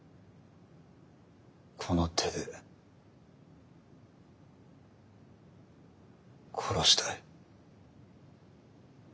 この手で殺したい。